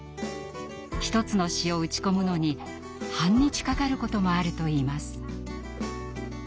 １つの詩を打ち込むのに半日かかることもあるといいます。